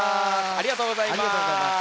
ありがとうございます。